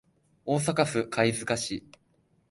大阪府貝塚市